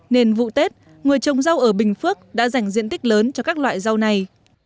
nên vụ tết người trồng rau ở bình phước đã dành diện tích lớn cho các loại rau này